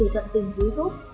để tận tình cứu giúp